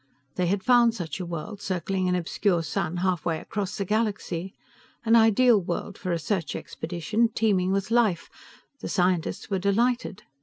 They had found such a world circling an obscure sun half way across the galaxy. An ideal world for research expedition, teeming with life, the scientists were delighted.